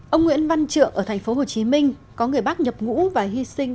ông nguyễn văn trượng ở thành phố hồ chí minh có người bác nhập ngũ và hy sinh